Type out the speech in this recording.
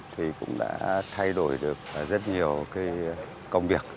thì cũng đã thay đổi được rất nhiều cái công việc